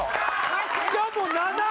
しかも７位！